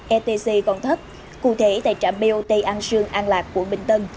etc còn thấp cụ thể tại trạm bot an sương an lạc quận bình tân